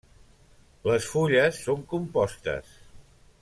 Les fulles són compostes.